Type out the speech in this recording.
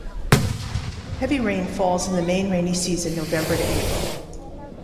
Heavy rain falls in the main rainy season November to April.